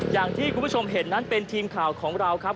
อย่างที่คุณผู้ชมเห็นนั้นเป็นทีมข่าวของเราครับ